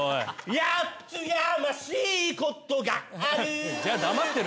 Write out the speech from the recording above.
「八ツやましいことがある」